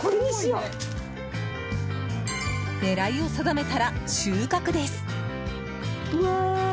狙いを定めたら、収穫です。